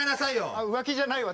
あっ浮気じゃないわ。